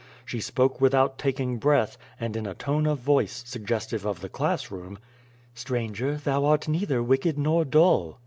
She spoke without taking breath, and in a tone of voice suggestive of the class room: "Stranger, thou art neither wicked nor dull."